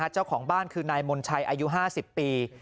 เจ้าของบ้านคือนายมนชัยอายุ๕๐ปี